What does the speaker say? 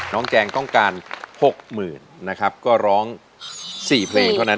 แจงต้องการ๖๐๐๐นะครับก็ร้อง๔เพลงเท่านั้น